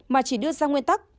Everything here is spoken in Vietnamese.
mà chỉ đưa sang nguyên tắc